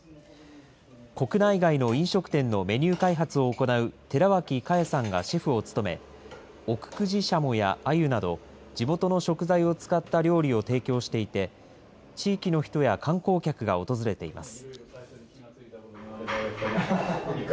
国内外の飲食店のメニュー開発を行う寺脇加恵さんがシェフを務め、奥久慈しゃもやあゆなど、地元の食材を使った料理を提供していて、地域の人や観光客が訪れています。